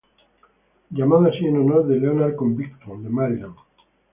Llamado así en honor de Leonard Covington, de Maryland.